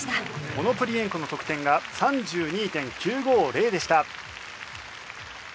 オノプリエンコの得点が３２．９５０でした。